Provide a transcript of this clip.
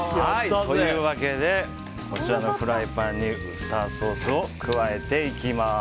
というわけでこちらのフライパンにウスターソースを加えていきます。